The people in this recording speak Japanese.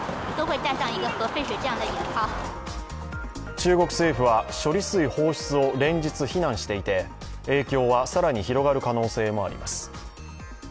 中国政府は、処理水放出を連日非難していて影響は更に広がる可能性もあります。